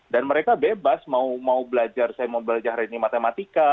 dan mereka bebas mau belajar saya mau belajar reni matematika